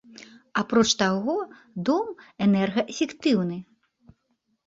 Апроч таго, дом энергаэфектыўны.